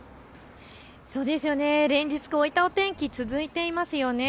連日、こういったお天気続いていますよね。